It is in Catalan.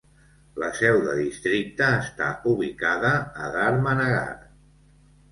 La seu de districte està ubicada a Dharmanagar.